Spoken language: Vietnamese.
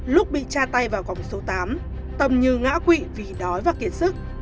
lúc bị tra tay vào vòng số tám tâm như ngã quỵ vì đói và kiệt sức